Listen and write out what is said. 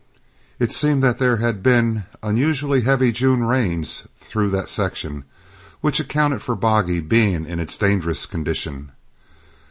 It seemed that there had been unusually heavy June rains through that section, which accounted for Boggy being in its dangerous condition.